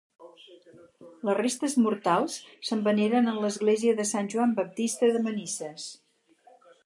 Les restes mortals se'n veneren en l'església de Sant Joan Baptista de Manises.